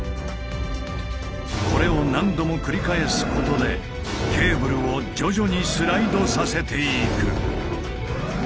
これを何度も繰り返すことでケーブルを徐々にスライドさせていく。